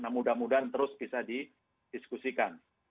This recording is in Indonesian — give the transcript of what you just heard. nah mudah mudahan terus bisa didiskusikan